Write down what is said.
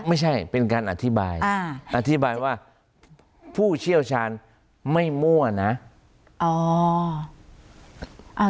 ไม่ใช่เป็นการอธิบายอธิบายว่าผู้เชี่ยวชาญไม่มั่วนะ